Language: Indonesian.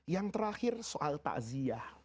yang terakhir soal ta'ziyah